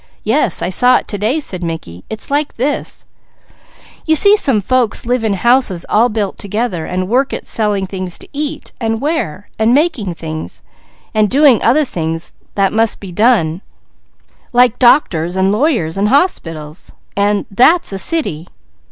"Yes, I saw it to day," said Mickey. "It's like this: you see some folks live in houses all built together, and work at selling things to eat, and wear, and making things, and doing other work that must be done like doctors, and lawyers, and hospitals; that's a city.